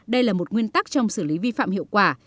đây là một nguyên tắc trong xử lý vi phạm hiệu quả